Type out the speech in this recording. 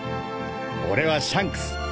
俺はシャンクス。